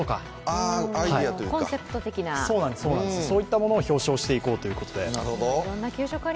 そういったものを表彰しようということで。